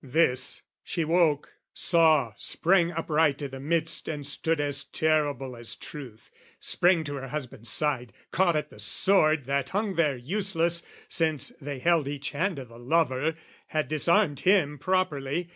This. She woke, saw, sprang upright I' the midst and stood as terrible as truth, Sprang to her husband's side, caught at the sword That hung there useless, since they held each hand O' the lover, had disarmed him properly.